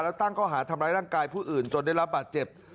แล้วตั้งข้อหาทำร้ายร่างกายผู้อื่นจนได้รับบาดเจ็บ